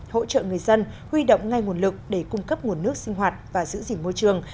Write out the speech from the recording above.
hỗ trợ người dân huy động ngay nguồn lực để cung cấp nguồn nước sinh hoạt và giữ gìn môi trường